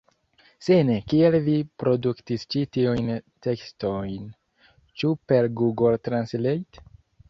Se ne, kiel vi produktis ĉi tiujn tekstojn, ĉu per Google Translate?